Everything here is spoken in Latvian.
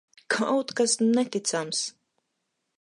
Kaut kas neticams!